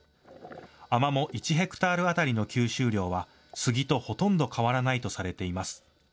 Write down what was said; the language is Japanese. アマモ１ヘクタール当たりの吸収量はスギとほとんど変わらないとされています。